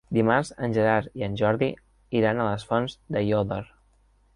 Dimarts en Gerard i en Jordi iran a les Fonts d'Aiòder.